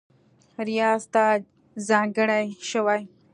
ریاض ته ځانګړې شوې